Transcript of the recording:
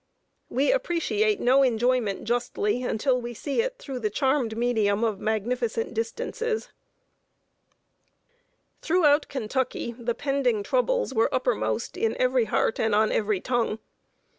We appreciate no enjoyment justly, until we see it through the charmed medium of magnificent distances. [Sidenote: POLITICAL FEELING IN KENTUCKY.] Throughout Kentucky the pending troubles were uppermost in every heart and on every tongue.